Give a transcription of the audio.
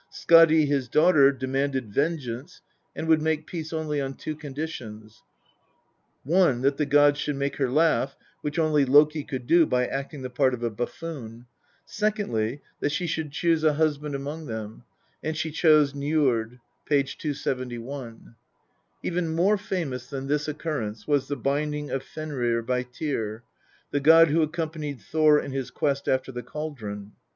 Skadi, his daughter, demanded vengeance, and would make peace only on two conditions one, that the gods should make her laugh, which only Loki could do by acting the part of a buffoon ; secondly, that she should choose a husband among them, and she chose Njord (p. 271). Even more famous than this occurrence was the binding of Fenrir by Tyr, the god who accompanied Thor in his quest after the cauldron.